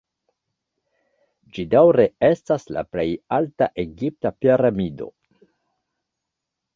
Ĝi daŭre estas la plej alta egipta piramido.